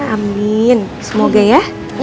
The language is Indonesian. amin semoga ya